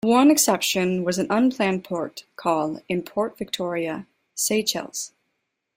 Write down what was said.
The one exception was an unplanned port call in Port Victoria, Seychelles.